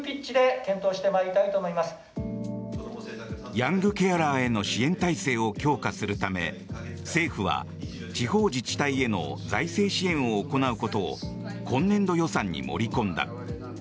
ヤングケアラーへの支援体制を強化するため政府は地方自治体への財政支援を行うことを今年度予算に盛り込んだ。